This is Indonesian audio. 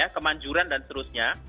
kemanjuran dan seterusnya